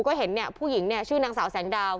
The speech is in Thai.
ก็เห็นผู้หญิงชื่อนางสาวแสงดาว